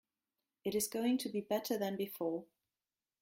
It is going to be better than before.